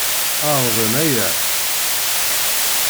Ɛerḍen aya.